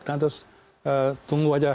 terus tunggu aja